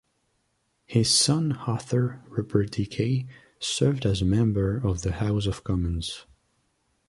His son Arthur Rupert Dickey served as a member of the House of Commons.